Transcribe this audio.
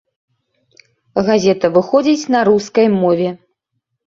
Газета выходзіць на рускай мове.